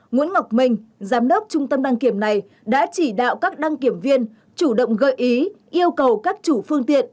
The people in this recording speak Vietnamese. nguyễn ngọc minh giám đốc trung tâm đăng kiểm này đã chỉ đạo các đăng kiểm viên chủ động gợi ý yêu cầu các chủ phương tiện